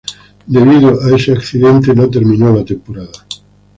Debido a ese accidente no terminó la temporada.